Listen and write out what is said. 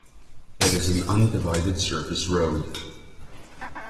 It is an undivided surface road.